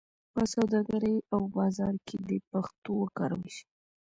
په سوداګرۍ او بازار کې دې پښتو وکارول شي.